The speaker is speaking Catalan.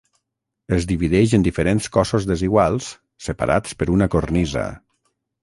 Es divideix en diferents cossos desiguals separats per una cornisa.